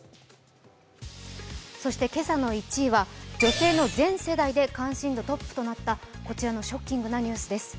そして今朝の１位は女性の全世代で関心度トップとなったこちらのショッキングなニュースです。